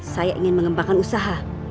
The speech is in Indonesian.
saya ingin mengembangkan usaha